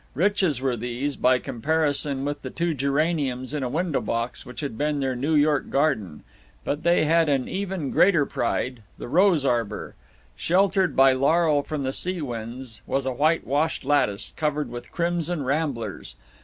Riches were these, by comparison with the two geraniums in a window box which had been their New York garden. But they had an even greater pride the rose arbor. Sheltered by laurel from the sea winds was a whitewashed lattice, covered with crimson ramblers.